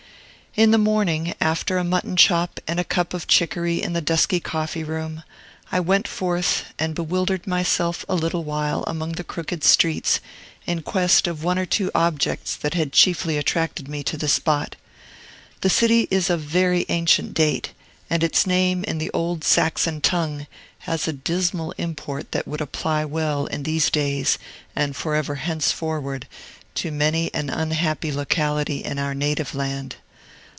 In the morning, after a mutton chop and a cup of chiccory in the dusky coffee room, I went forth and bewildered myself a little while among the crooked streets, in quest of one or two objects that had chiefly attracted me to the spot. The city is of very ancient date, and its name in the old Saxon tongue has a dismal import that would apply well, in these days and forever henceforward, to many an unhappy locality in our native land.